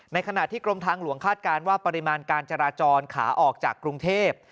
ขณะที่กรมทางหลวงคาดการณ์ว่าปริมาณการจราจรขาออกจากกรุงเทพ